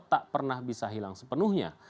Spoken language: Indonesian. tak pernah bisa hilang sepenuhnya